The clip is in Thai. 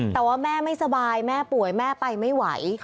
แต่ว่าแม่ไม่สบายแม่ป่วยแม่ไปไม่ไหว